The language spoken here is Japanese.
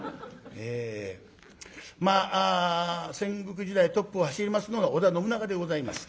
まあ戦国時代トップを走りますのが織田信長でございます。